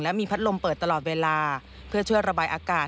มีพัดลมเปิดตลอดเวลาเพื่อช่วยระบายอากาศ